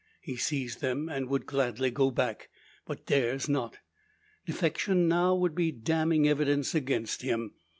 He sees them, and would gladly go back, but dares not. Defection now would be damning evidence against him.